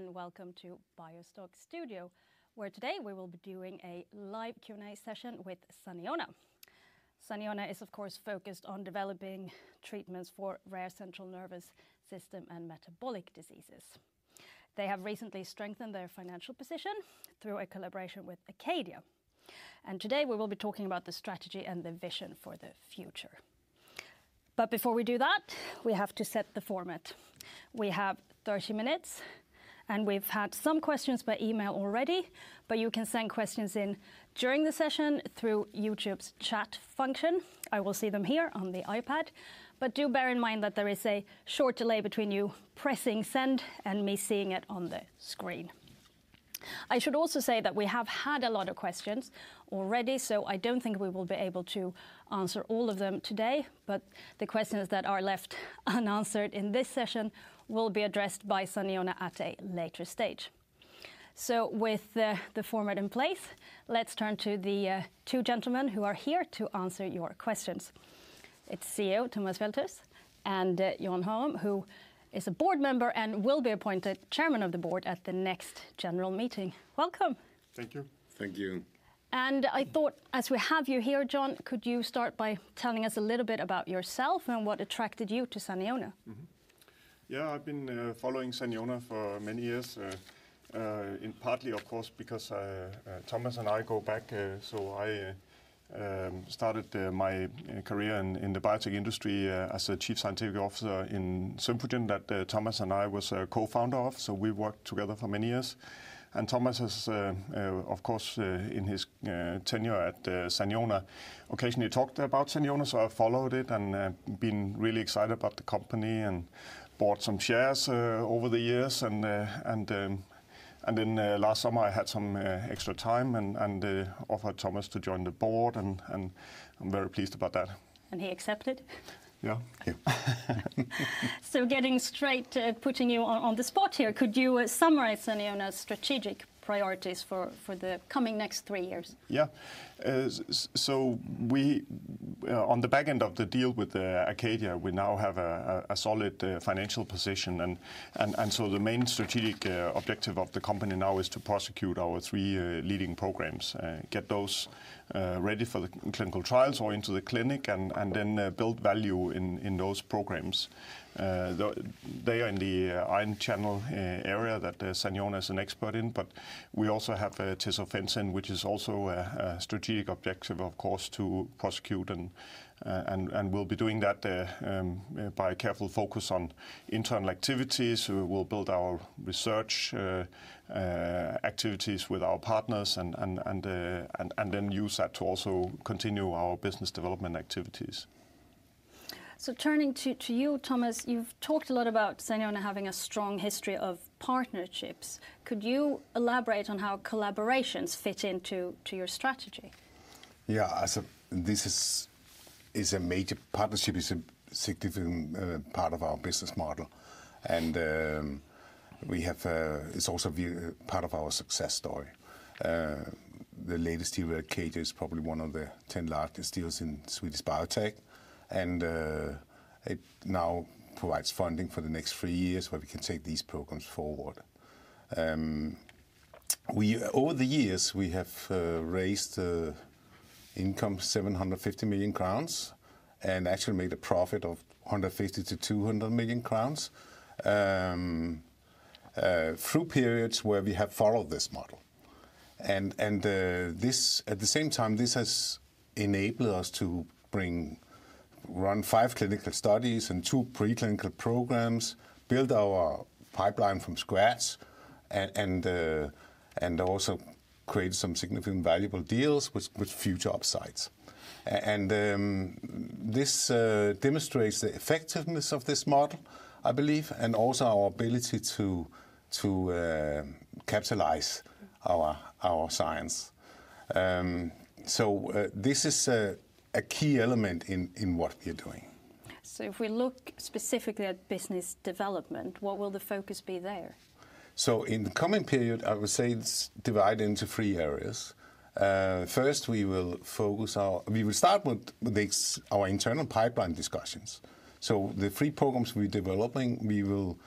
Hi, and welcome to BioStock Studio, where today we will be doing a live Q&A session with Saniona. Saniona is, of course, focused on developing treatments for rare central nervous system and metabolic diseases. They have recently strengthened their financial position through a collaboration with Acadia. Today we will be talking about the strategy and the vision for the future. Before we do that, we have to set the format. We have 30 minutes, and we've had some questions by email already, but you can send questions in during the session through YouTube's chat function. I will see them here on the iPad. Do bear in mind that there is a short delay between you pressing send and me seeing it on the screen. I should also say that we have had a lot of questions already, so I don't think we will be able to answer all of them today. The questions that are left unanswered in this session will be addressed by Saniona at a later stage. With the format in place, let's turn to the two gentlemen who are here to answer your questions. It's CEO Thomas Feldthus and John Haurum, who is a board member and will be appointed chairman of the board at the next general meeting. Welcome. Thank you. Thank you. I thought, as we have you here, John, could you start by telling us a little bit about yourself and what attracted you to Saniona? Yeah, I've been following Saniona for many years, partly, of course, because Thomas and I go back. I started my career in the biotech industry as a Chief Scientific Officer in Symphogen that Thomas and I were co-founders of. We worked together for many years. Thomas, of course, in his tenure at Saniona, occasionally talked about Saniona. I followed it and been really excited about the company and bought some shares over the years. Last summer, I had some extra time and offered Thomas to join the board. I'm very pleased about that. He accepted? Yeah. Getting straight to putting you on the spot here, could you summarize Saniona's strategic priorities for the coming next three years? Yeah. We, on the back end of the deal with Acadia, now have a solid financial position. The main strategic objective of the company now is to prosecute our three leading programs, get those ready for the clinical trials or into the clinic, and then build value in those programs. They are in the ion channel area that Saniona is an expert in. We also have Tesofensine, which is also a strategic objective, of course, to prosecute. We'll be doing that by a careful focus on internal activities. We'll build our research activities with our partners and then use that to also continue our business development activities. Turning to you, Thomas, you've talked a lot about Saniona having a strong history of partnerships. Could you elaborate on how collaborations fit into your strategy? Yeah, this is a major partnership. It's a significant part of our business model. It's also part of our success story. The latest deal with Acadia is probably one of the 10 largest deals in Swedish biotech. It now provides funding for the next three years where we can take these programs forward. Over the years, we have raised income of 750 million crowns and actually made a profit of 150-200 million crowns through periods where we have followed this model. At the same time, this has enabled us to run five clinical studies and two preclinical programs, build our pipeline from scratch, and also create some significant valuable deals with future upsides. This demonstrates the effectiveness of this model, I believe, and also our ability to capitalize our science. This is a key element in what we are doing. If we look specifically at business development, what will the focus be there? In the coming period, I would say it's divided into three areas. First, we will focus our we will start with our internal pipeline discussions. The three programs we're developing, we will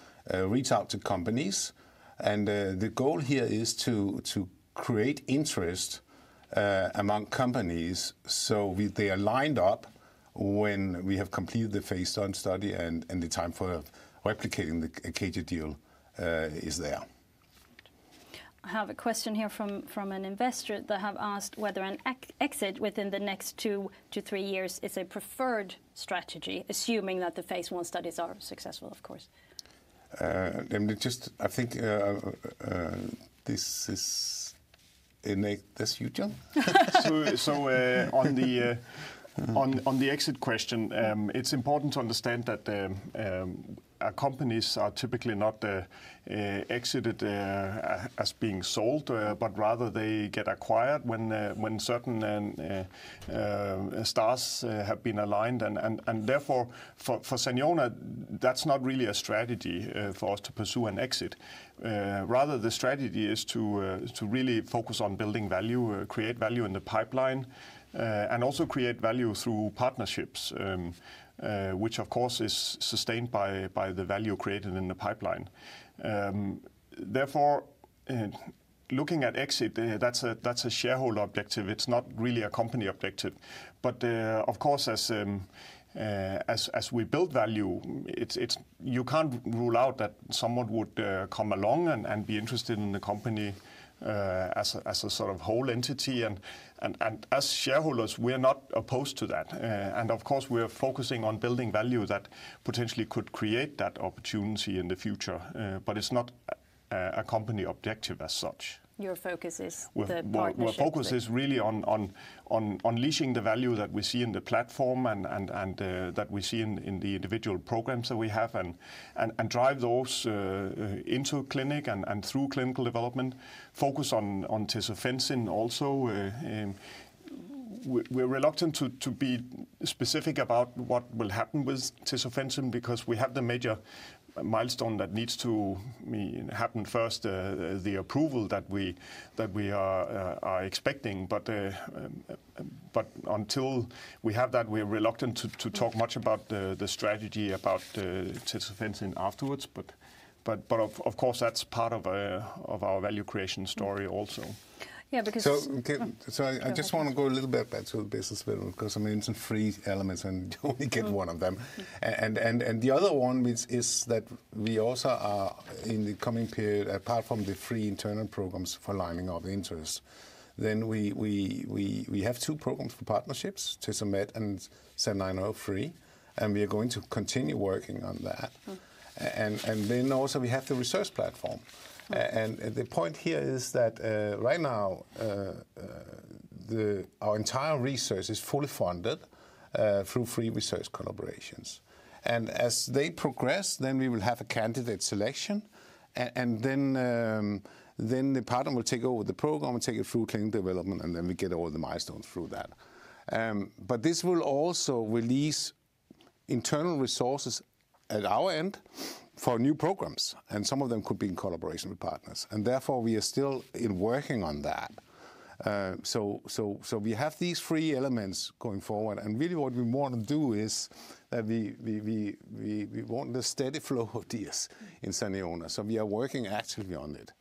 reach out to companies. The goal here is to create interest among companies so they are lined up when we have completed the Phase I study and the time for replicating the Acadia deal is there. I have a question here from an investor that has asked whether an exit within the next two to three years is a preferred strategy, assuming that the Phase I studies are successful, of course. I think this is you, John? On the exit question, it's important to understand that companies are typically not exited as being sold, but rather they get acquired when certain stars have been aligned. Therefore, for Saniona, that's not really a strategy for us to pursue an exit. Rather, the strategy is to really focus on building value, create value in the pipeline, and also create value through partnerships, which, of course, is sustained by the value created in the pipeline. Therefore, looking at exit, that's a shareholder objective. It's not really a company objective. Of course, as we build value, you can't rule out that someone would come along and be interested in the company as a sort of whole entity. As shareholders, we're not opposed to that. Of course, we're focusing on building value that potentially could create that opportunity in the future. It is not a company objective as such. Your focus is the partnership. Our focus is really on unleashing the value that we see in the platform and that we see in the individual programs that we have and drive those into clinic and through clinical development. Focus on Tesofensine also. We're reluctant to be specific about what will happen with Tesofensine because we have the major milestone that needs to happen first, the approval that we are expecting. Until we have that, we're reluctant to talk much about the strategy about tesofensine afterwards. Of course, that's part of our value creation story also. Yeah, because. I just want to go a little bit back to the business development because I mean, it's three elements and you only get one of them. The other one is that we also are, in the coming period, apart from the three internal programs for lining up interest, we have two programs for partnerships, Tesomet and SAN903. We are going to continue working on that. We also have the research platform. The point here is that right now, our entire research is fully funded through three research collaborations. As they progress, we will have a candidate selection. The partner will take over the program and take it through clinical development, and then we get all the milestones through that. This will also release internal resources at our end for new programs. Some of them could be in collaboration with partners. Therefore, we are still working on that. We have these three elements going forward. Really, what we want to do is that we want the steady flow of deals in Saniona. We are working actively on it.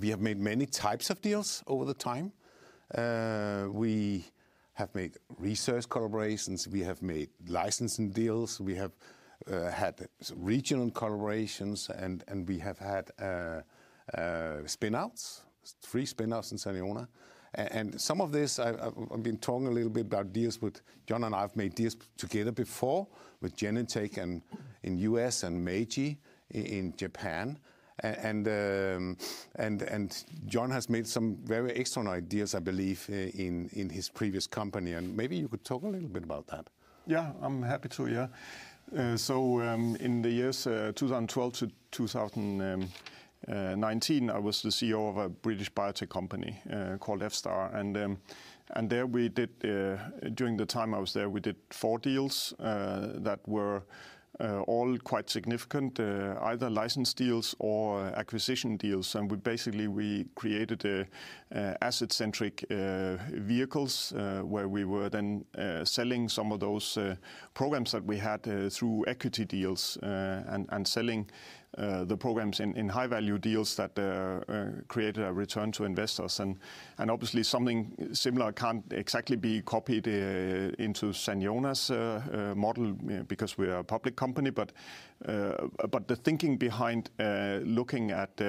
We have made many types of deals over the time. We have made research collaborations. We have made licensing deals. We have had regional collaborations. We have had spinouts, three spinouts in Saniona. Some of this, I've been talking a little bit about deals with John and I have made deals together before with Genentech in the US and Meiji in Japan. John has made some very external ideas, I believe, in his previous company. Maybe you could talk a little bit about that. Yeah, I'm happy to, yeah. In the years 2012 to 2019, I was the CEO of a British biotech company called F-star. There we did, during the time I was there, four deals that were all quite significant, either license deals or acquisition deals. Basically, we created asset-centric vehicles where we were then selling some of those programs that we had through equity deals and selling the programs in high-value deals that created a return to investors. Obviously, something similar can't exactly be copied into Saniona's model because we are a public company. The thinking behind looking at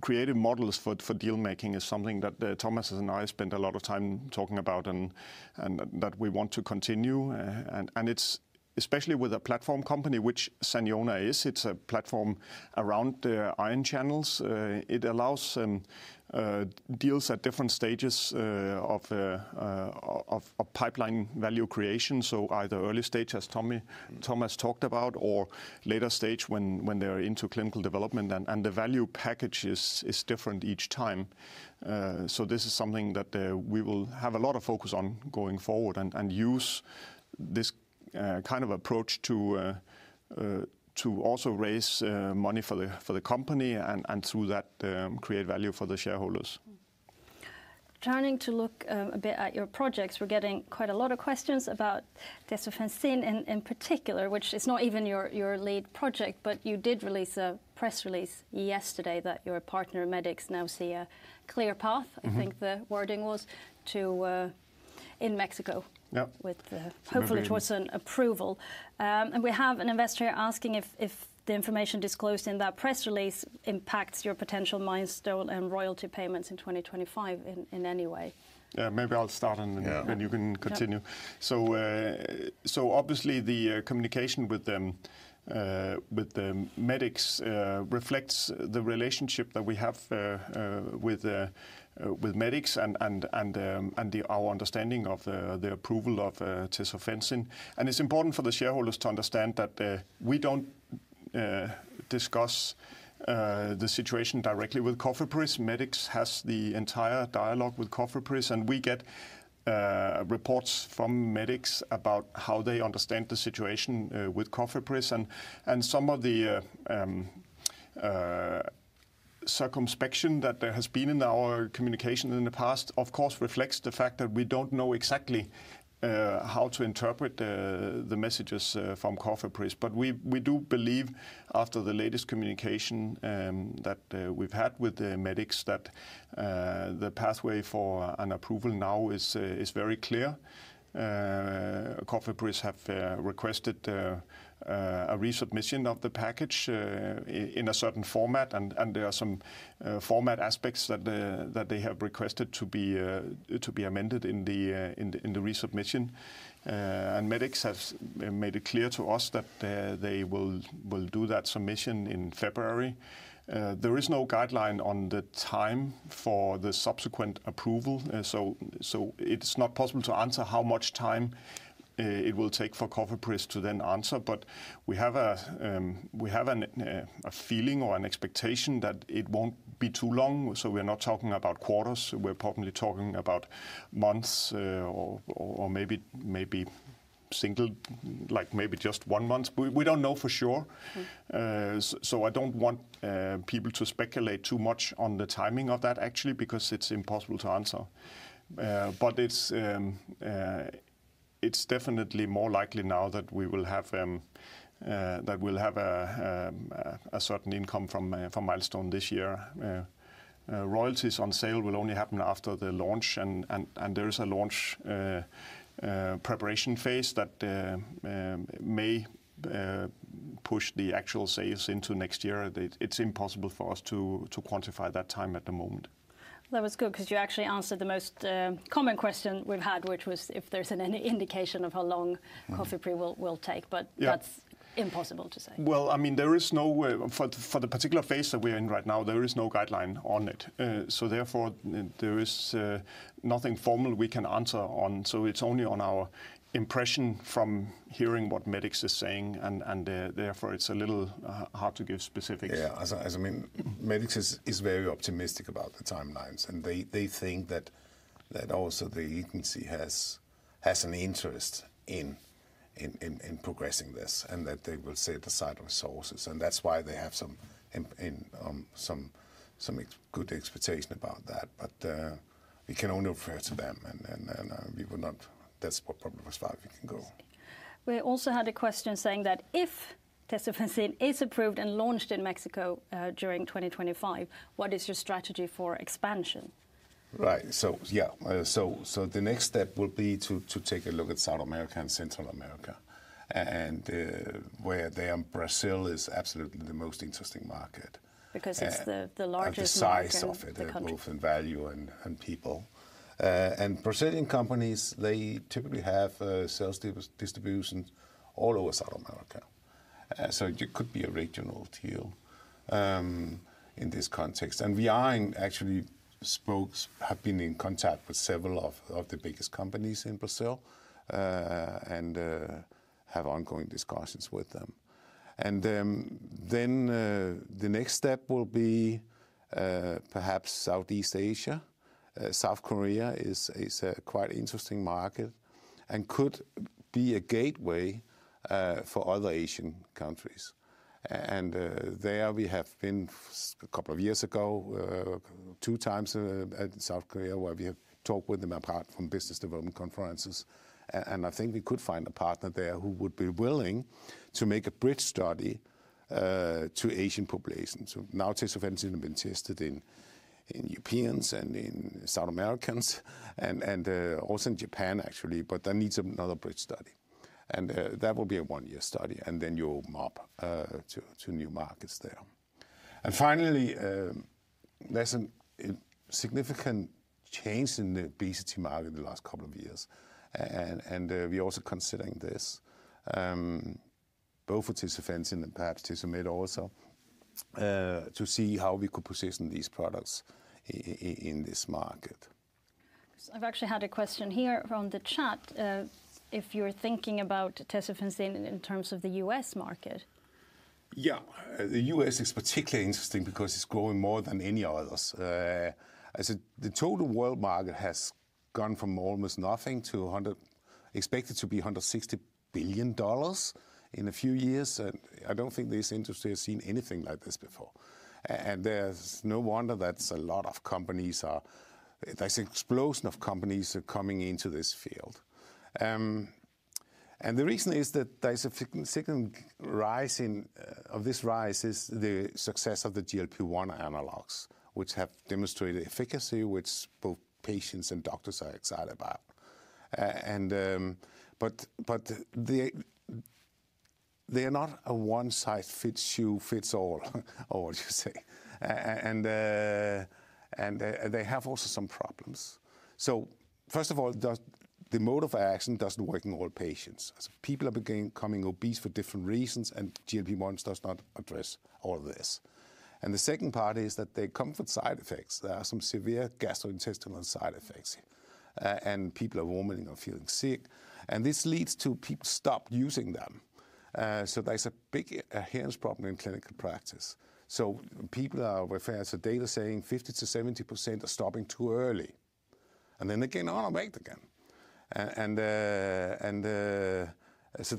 creative models for dealmaking is something that Thomas and I spent a lot of time talking about and that we want to continue. It's especially with a platform company, which Saniona is. It's a platform around the ion channels. It allows deals at different stages of pipeline value creation. Either early stage, as Thomas talked about, or later stage when they are into clinical development. The value package is different each time. This is something that we will have a lot of focus on going forward and use this kind of approach to also raise money for the company and through that create value for the shareholders. Turning to look a bit at your projects, we're getting quite a lot of questions about Tesofensine in particular, which is not even your lead project. You did release a press release yesterday that your partner, Medix, now see a clear path, I think the wording was, to in Mexico, hopefully towards an approval. We have an investor here asking if the information disclosed in that press release impacts your potential milestone and royalty payments in 2025 in any way. Yeah, maybe I'll start and then you can continue. Obviously, the communication with Medix reflects the relationship that we have with Medix and our understanding of the approval of Tesofensine. It's important for the shareholders to understand that we don't discuss the situation directly with COFEPRIS. Medix has the entire dialogue with COFEPRIS. We get reports from Medix about how they understand the situation with COFEPRIS. Some of the circumspection that there has been in our communication in the past, of course, reflects the fact that we don't know exactly how to interpret the messages from COFEPRIS. We do believe, after the latest communication that we've had with Medix, that the pathway for an approval now is very clear. COFEPRIS have requested a resubmission of the package in a certain format. There are some format aspects that they have requested to be amended in the resubmission. Medix has made it clear to us that they will do that submission in February. There is no guideline on the time for the subsequent approval. It is not possible to answer how much time it will take for COFEPRIS to then answer. We have a feeling or an expectation that it will not be too long. We are not talking about quarters. We are probably talking about months or maybe single, like maybe just one month. We do not know for sure. I do not want people to speculate too much on the timing of that, actually, because it is impossible to answer. It is definitely more likely now that we will have a certain income from milestone this year. Royalties on sale will only happen after the launch. There is a launch preparation phase that may push the actual sales into next year. It's impossible for us to quantify that time at the moment. That was good because you actually answered the most common question we've had, which was if there's an indication of how long COFEPRIS will take. That's impossible to say. I mean, there is no way for the particular phase that we're in right now, there is no guideline on it. Therefore, there is nothing formal we can answer on. It is only on our impression from hearing what Medix is saying. Therefore, it is a little hard to give specifics. Yeah, as I mean, Medix is very optimistic about the timelines. They think that also the agency has an interest in progressing this and that they will set aside resources. That is why they have some good expectation about that. We can only refer to them. That is what probably was why we can go. We also had a question saying that if Tesofensine is approved and launched in Mexico during 2025, what is your strategy for expansion? Right. Yeah, the next step will be to take a look at South America and Central America, where Brazil is absolutely the most interesting market. Because it's the largest market in the country. The size of it, the growth in value and people. Brazilian companies, they typically have sales distributions all over South America. It could be a regional deal in this context. We actually spoke, have been in contact with several of the biggest companies in Brazil and have ongoing discussions with them. The next step will be perhaps Southeast Asia. South Korea is a quite interesting market and could be a gateway for other Asian countries. We have been a couple of years ago, two times in South Korea, where we have talked with them apart from business development conferences. I think we could find a partner there who would be willing to make a bridge study to Asian populations. Now, Tesofensine has been tested in Europeans and in South Americans and also in Japan, actually, but that needs another bridge study. That will be a one-year study. You will map to new markets there. Finally, there is a significant change in the obesity market in the last couple of years. We are also considering this, both with Tesofensine and perhaps Tesomet also, to see how we could position these products in this market. I've actually had a question here from the chat. If you're thinking about Tesofensine in terms of the US market. Yeah, the US is particularly interesting because it's growing more than any others. The total world market has gone from almost nothing to expected to be $160 billion in a few years. I don't think this industry has seen anything like this before. There's no wonder that a lot of companies are, there's an explosion of companies coming into this field. The reason is that there's a significant rise in, of this rise is the success of the GLP-1 analogs, which have demonstrated efficacy, which both patients and doctors are excited about. They are not a one-size-fits-you-fits-all, I would say. They have also some problems. First of all, the mode of action doesn't work in all patients. People are becoming obese for different reasons, and GLP-1 does not address all this. The second part is that they come with side effects. There are some severe gastrointestinal side effects. People are vomiting or feeling sick. This leads to people stop using them. There is a big adherence problem in clinical practice. People are referred to data saying 50%-70% are stopping too early. They get on and wait again.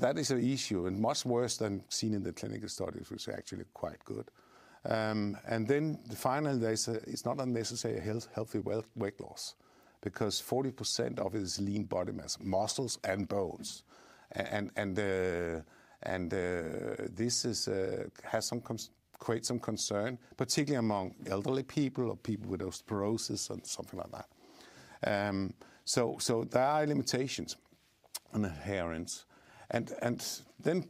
That is an issue and much worse than seen in the clinical studies, which is actually quite good. Finally, there is a, it's not unnecessary healthy weight loss because 40% of it is lean body mass, muscles and bones. This has created some concern, particularly among elderly people or people with osteoporosis and something like that. There are limitations on adherence.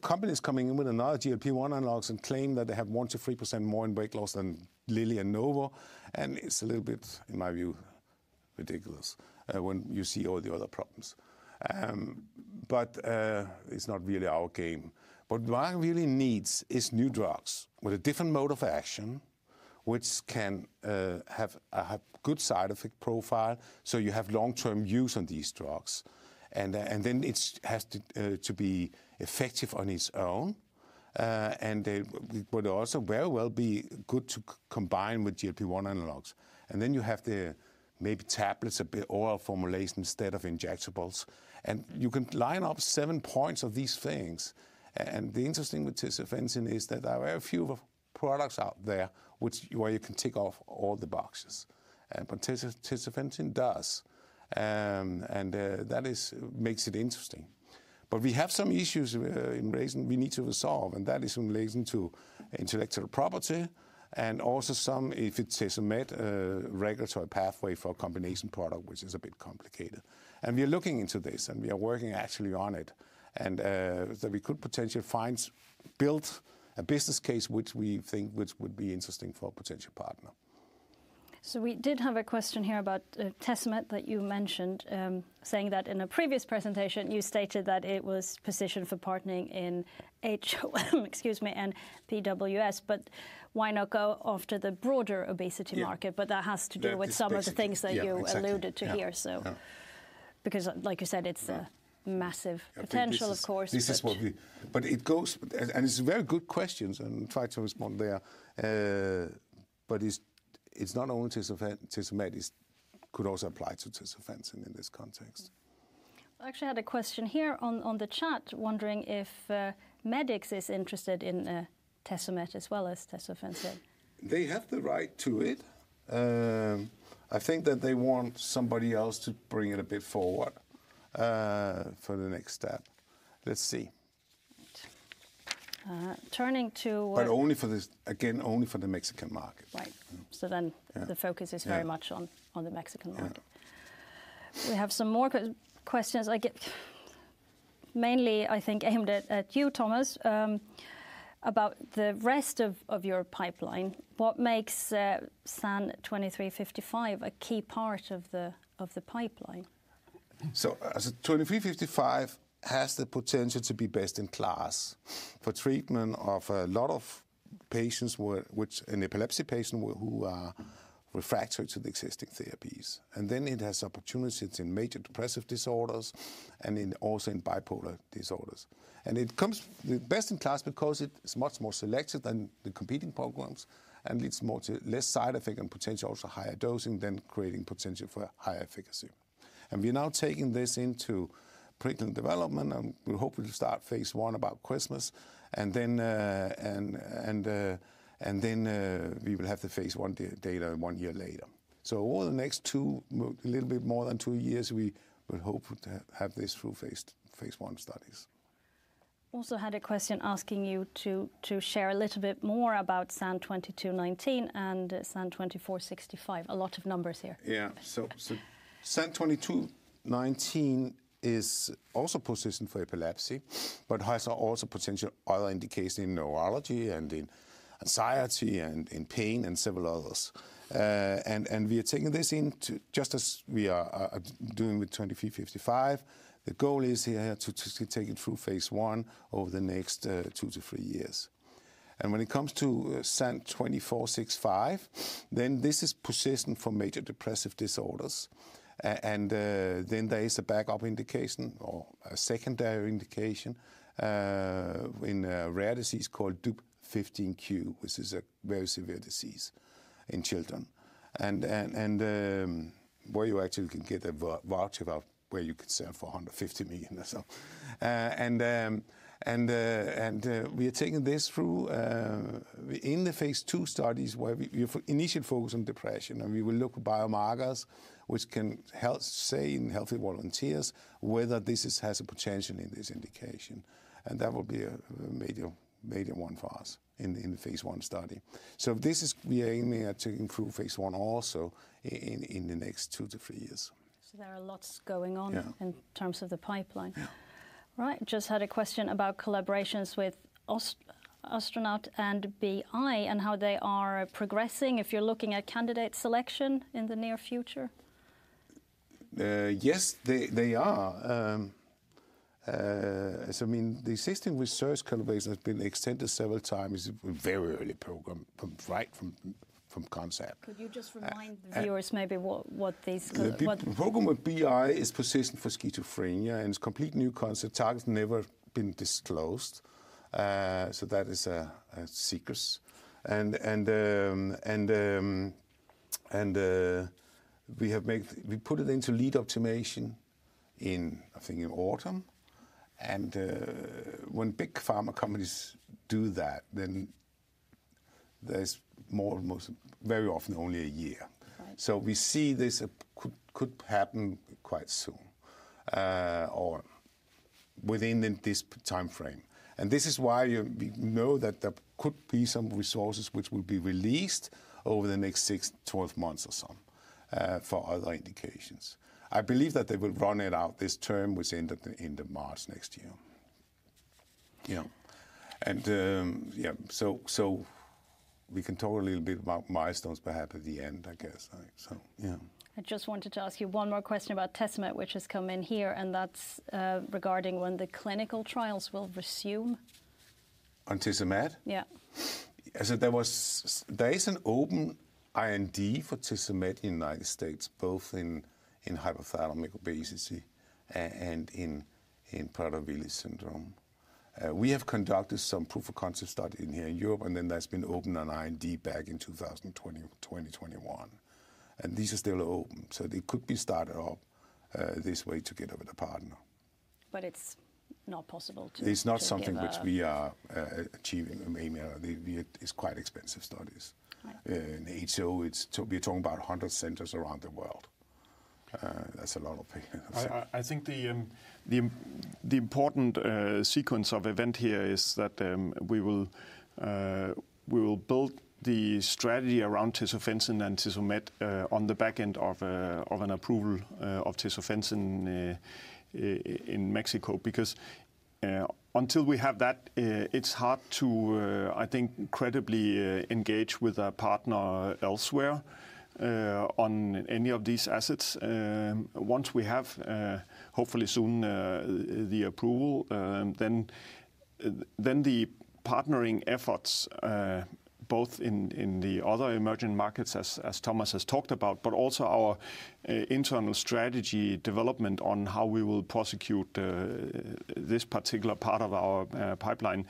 Companies coming in with another GLP-1 analogs claim that they have 1%-3% more in weight loss than Lilly and Novo. It is a little bit, in my view, ridiculous when you see all the other problems. It is not really our game. What the market really needs is new drugs with a different mode of action, which can have a good side effect profile. You have long-term use on these drugs. It has to be effective on its own. They would also very well be good to combine with GLP-1 analogs. You have maybe tablets, a bit oral formulation instead of injectables. You can line up seven points of these things. The interesting with Tesofensine is that there are a few products out there where you can tick off all the boxes. Tesofensine does. That makes it interesting. We have some issues in raising we need to resolve. That is in relation to intellectual property and also some if it's a regulatory pathway for a combination product, which is a bit complicated. We are looking into this. We are working actually on it. We could potentially find, build a business case, which we think would be interesting for a potential partner. We did have a question here about Tesomet that you mentioned, saying that in a previous presentation, you stated that it was positioned for partnering in HO, excuse me, and PWS. Why not go after the broader obesity market? That has to do with some of the things that you alluded to here. Like you said, it's a massive potential, of course. This is what we, but it goes, and it's very good questions and try to respond there. But it's not only Tesofensine; Tesomet could also apply to Tesofensine in this context. I actually had a question here on the chat wondering if Medix is interested in Tesomet as well as Tesofensine. They have the right to it. I think that they want somebody else to bring it a bit forward for the next step. Let's see. Turning to. Only for this, again, only for the Mexican market. Right. The focus is very much on the Mexican market. We have some more questions. Mainly, I think, aimed at you, Thomas, about the rest of your pipeline. What makes SAN2355 a key part of the pipeline? SAN2355 has the potential to be best in class for treatment of a lot of patients, which an epilepsy patient who are refractory to the existing therapies. It has opportunities in major depressive disorders and also in bipolar disorders. It comes best in class because it's much more selective than the competing programs. It's more less side effect and potentially also higher dosing than creating potential for higher efficacy. We're now taking this into preclinical development. We hope we'll start Phase I about Christmas. We will have the Phase I data one year later. Over the next two, a little bit more than two years, we would hope to have this through Phase I studies. Also had a question asking you to share a little bit more about SAN2219 and SAN2465. A lot of numbers here. Yeah. San2219 is also positioned for epilepsy, but has also potential other indications in neurology and in anxiety and in pain and several others. We are taking this in just as we are doing with 2355. The goal is here to take it through Phase I over the next two to three years. When it comes to SAN2465, this is positioned for major depressive disorders. There is a backup indication or a secondary indication in a rare disease called DUP15q, which is a very severe disease in children. You actually can get a voucher where you can save for $150 million. We are taking this through in the Phase II studies where we initially focus on depression. We will look at biomarkers, which can help say in healthy volunteers whether this has a potential in this indication. That will be a major one for us in the Phase I study. We are aiming to improve Phase I also in the next two to three years. There are lots going on in terms of the pipeline. Right. Just had a question about collaborations with AstronauTx and Boehringer Ingelheim and how they are progressing. If you're looking at candidate selection in the near future. Yes, they are. I mean, the existing research collaboration has been extended several times. It's a very early program, right from concept. Could you just remind the viewers maybe what these. The program with Boehringer Ingelheim is positioned for schizophrenia and it's a complete new concept. Target has never been disclosed. That is a secret. We put it into lead optimization in, I think, in autumn. When big pharma companies do that, then there's more or most very often only a year. We see this could happen quite soon or within this time frame. This is why we know that there could be some resources which will be released over the next 6-12 months or so for other indications. I believe that they will run it out this term within March next year. Yeah. We can talk a little bit about milestones perhaps at the end, I guess. I just wanted to ask you one more question about Tesomet, which has come in here. That's regarding when the clinical trials will resume. On Tesomet? Yeah. There is an open IND for Tesomet in the United States, both in hypothalamic obesity and in Prader-Willi syndrome. We have conducted some proof of concept studies in here in Europe. There has been opened an IND back in 2021. These are still open. They could be started up this way to get a partner. It is not possible to. It's not something which we are achieving. It's quite expensive studies. In HO, we're talking about 100 centers around the world. That's a lot of. I think the important sequence of event here is that we will build the strategy around Tesofensine and Tesomet on the back end of an approval of Tesofensine in Mexico. Because until we have that, it's hard to, I think, credibly engage with a partner elsewhere on any of these assets. Once we have, hopefully soon, the approval, then the partnering efforts, both in the other emerging markets, as Thomas has talked about, but also our internal strategy development on how we will prosecute this particular part of our pipeline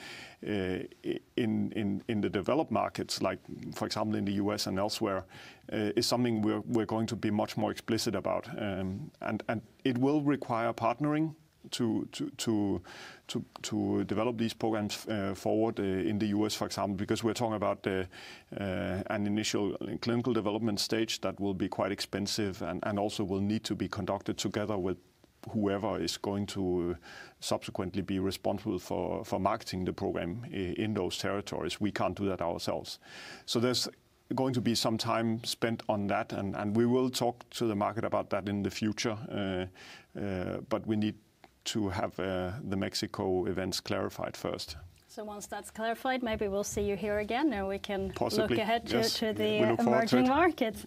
in the developed markets, like for example, in the U.S. and elsewhere, is something we're going to be much more explicit about. It will require partnering to develop these programs forward in the U.S., for example, because we're talking about an initial clinical development stage that will be quite expensive and also will need to be conducted together with whoever is going to subsequently be responsible for marketing the program in those territories. We can't do that ourselves. There is going to be some time spent on that. We will talk to the market about that in the future. We need to have the Mexico events clarified first. Once that's clarified, maybe we'll see you here again. We can look ahead to the emerging markets.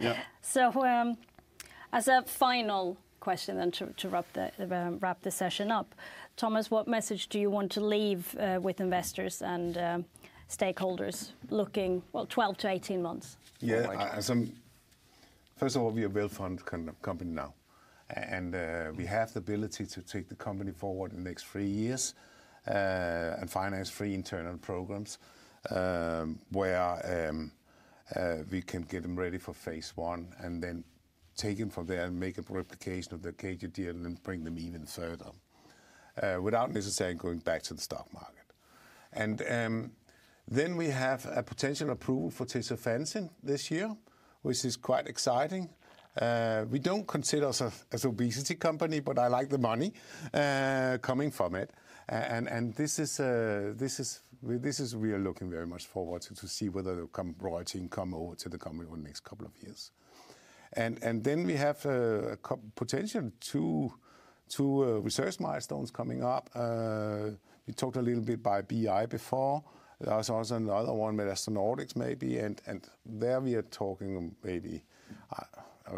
As a final question then to wrap the session up, Thomas, what message do you want to leave with investors and stakeholders looking, well, 12 to 18 months? Yeah. First of all, we're a well-funded company now. We have the ability to take the company forward in the next three years and finance three internal programs where we can get them ready for Phase I and then take them from there and make a replication of the Acadia deal and bring them even further without necessarily going back to the stock market. We have a potential approval for Tesofensine this year, which is quite exciting. We do not consider ourselves as an obesity company, but I like the money coming from it. This is where we are looking very much forward to see whether the royalty can come over to the company over the next couple of years. We have potential two research milestones coming up. We talked a little bit by BI before. There is also another one with AstronauTx maybe. There we are talking maybe, I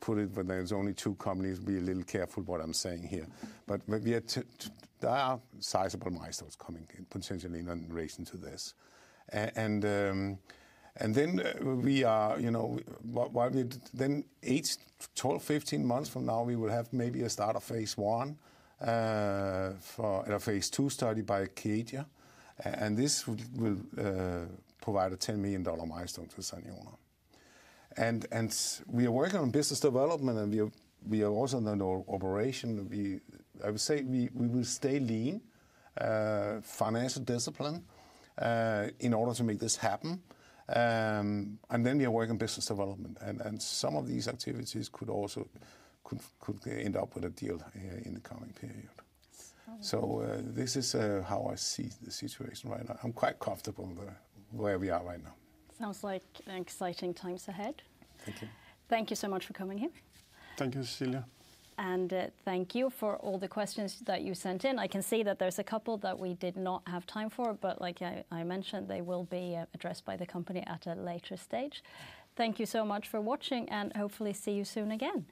put it, but there's only two companies. Be a little careful what I'm saying here. There are sizable milestones coming potentially in relation to this. You know, 8, 12, 15 months from now, we will have maybe a start of Phase I or Phase II study by Acadia. This will provide a $10 million milestone to Saniona. We are working on business development. We are also in the operation. I would say we will stay lean, financial discipline in order to make this happen. We are working on business development. Some of these activities could also end up with a deal in the coming period. This is how I see the situation right now. I'm quite comfortable where we are right now. Sounds like exciting times ahead. Thank you. Thank you so much for coming here. Thank you, Cecilia. Thank you for all the questions that you sent in. I can see that there's a couple that we did not have time for. Like I mentioned, they will be addressed by the company at a later stage. Thank you so much for watching. Hopefully see you soon again.